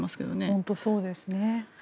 本当にそうですね。